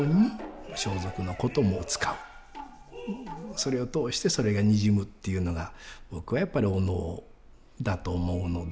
それを通してそれがにじむっていうのが僕はやっぱりお能だと思うので。